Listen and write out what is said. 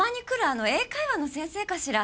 あの英会話の先生かしら。